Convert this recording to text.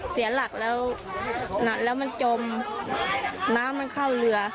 เสียหลักแล้วแล้วมันจมน้ำมันเข้าเรือ